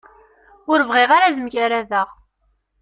Ur bɣiɣ ara ad mgaradeɣ.